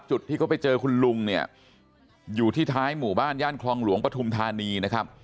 จุดที่เขาไปเจอคุณลุงเนี่ยอยู่ที่ท้ายหมู่บ้านย่านคลองหลวงปฐุมธานีนะครับ